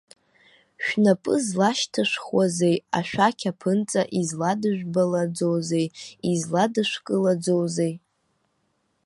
Шәнапы злашьҭышәхуазеи, ашәақь аԥынҵа изладыжәбалаӡозеи, изладышәкылаӡозеи?!